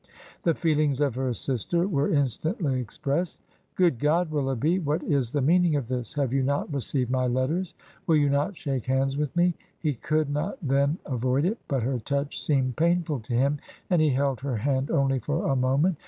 ... The feeUngs of her sister were instantly ex pressed. ... 'Good God, Willoughbyl what is the meaning of this? Have you not received my letters? Will you not shake hands with me?' He could not then avoid it, but her touch seemed painful to him, and he held her hand only for a moment.